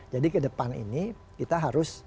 jadi kedepan ini kita harus